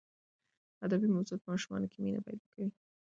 ادبي موضوعات په ماشومانو کې مینه پیدا کوي.